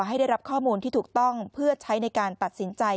ให้ได้รับข้อมูลที่ถูกต้องเพื่อใช้ในการตัดสินใจ